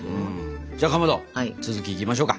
じゃあかまど続きいきましょうか？